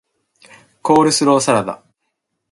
コールスローサラダ